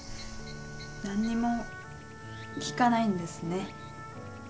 何にも聞かないんですね。